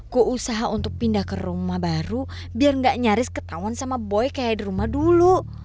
ku usaha untuk pindah ke rumah baru biar gak nyaris ketahuan sama boy kayak di rumah dulu